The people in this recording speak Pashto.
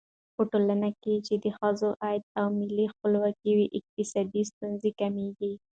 په ټولنه کې چې د ښځو عايد او مالي خپلواکي وي، اقتصادي ستونزې کمېږي.